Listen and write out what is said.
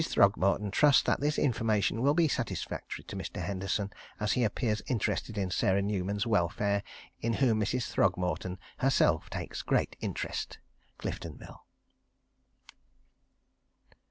Throgmorton trusts that this information will be satisfactory to Mr. Henderson, as he appears interested in Sarah Newman's welfare, in whom Mrs. Throgmorton herself takes great interest. Cliftonville.